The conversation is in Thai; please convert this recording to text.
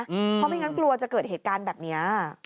เพราะไม่งั้นกลัวจะเกิดเหตุการณ์แบบนี้